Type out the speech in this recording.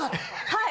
はい。